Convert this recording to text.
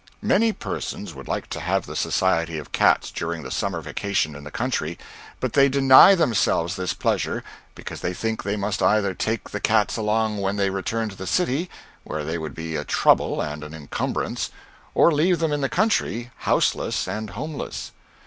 Many persons would like to have the society of cats during the summer vacation in the country, but they deny themselves this pleasure because they think they must either take the cats along when they return to the city, where they would be a trouble and an encumbrance, or leave them in the country, houseless and homeless.